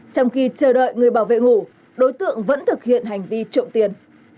trong khi chờ đợi người bảo vệ ngủ đối tượng vẫn thực hiện hành vi trộm tiền